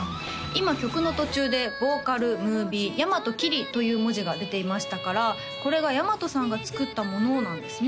今曲の途中で「Ｖｏ．Ｍｏｖｉｅ．．．大和きり」という文字が出ていましたからこれが大和さんが作ったものなんですね